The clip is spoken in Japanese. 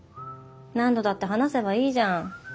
何度だって話せばいいじゃん。